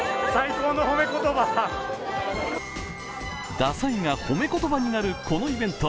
ダサいが褒め言葉になるこのイベント